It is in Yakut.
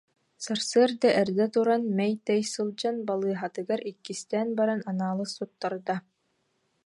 Сарсыарда эрдэ туран, мэй-тэй сылдьан балыыһатыгар иккистээн баран анаалыс туттарда